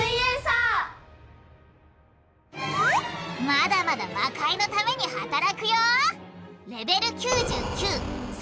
まだまだ魔界のために働くよ！